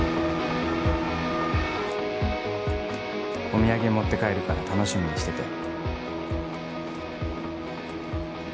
「お土産持って帰るから楽しみにしてて」